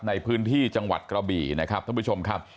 ในพื้นที่จังหวัดกระบี่นะครับท่านผู้ชมครับ